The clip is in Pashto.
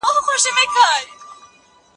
داوسني دور حكومت دخلافت او نيابت معيارونه نه مني